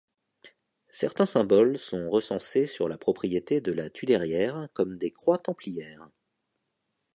Certains symboles sont récencés sur la propriété de la Tuderrière comme des croix templières.